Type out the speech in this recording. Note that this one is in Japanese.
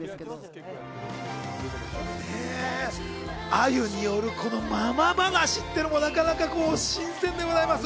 あゆによるこのママ話っていうのも、なかなか新鮮でございます。